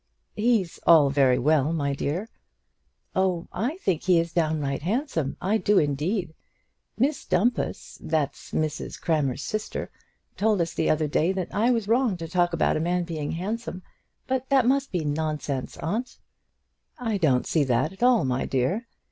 "He's all very well, my dear." "Oh; I think he is downright handsome; I do, indeed. Miss Dumpus, that's Mrs Crammer's sister, told us the other day, that I was wrong to talk about a man being handsome; but that must be nonsense, aunt?" "I don't see that at all, my dear.